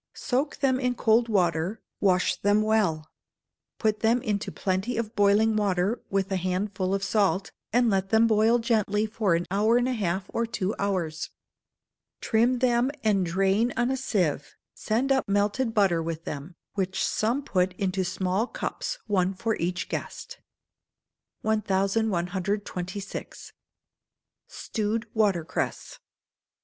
Soak them in cold water, wash them well; put them into plenty of boiling water, with a handful of salt, and let them boil gently for an hour and a half or two hours: trim them and drain on a sieve; send up melted butter with them, which some put into small cups, one for each guest. 1126. Stewed Water Cress.